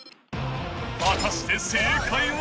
果たして正解は？